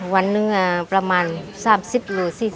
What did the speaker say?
วันนึงประมาณ๓๐๔๐ลูก